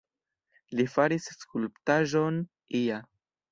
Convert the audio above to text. Li faris skulptaĵon ia.